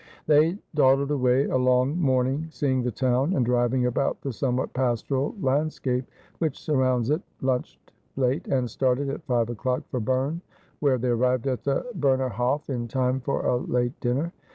They dawdled away a long morning seeing the town and driving about the somewhat pastoral landscape which surrounds it, lunched late, and started at five o'clock for Berne, where they arrived at the Berner Hof in time for a late dinner.